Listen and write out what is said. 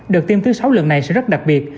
đợt tiêm thứ sáu lần này sẽ rất đặc biệt